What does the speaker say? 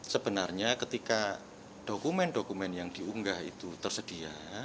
sebenarnya ketika dokumen dokumen yang diunggah itu tersedia